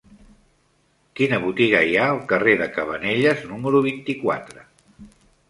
Quina botiga hi ha al carrer de Cabanelles número vint-i-quatre?